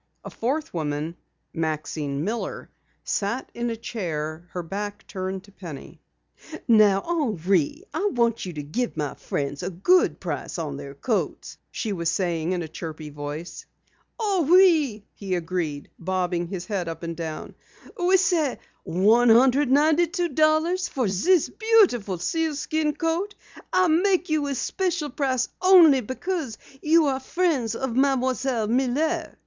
A fourth woman, Maxine Miller, sat in a chair, her back turned to Penny. "Now Henri, I want you to give my friends a good price on their coats," she was saying in a chirpy voice. "Oui" he agreed, bobbing his head up and down. "We say one hundred and ninety two dollars for zis beautiful sealskin coat. I make you a special price only because you are friends of Mademoiselle Miller."